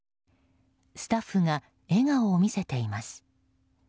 スタッフが笑顔を見せています。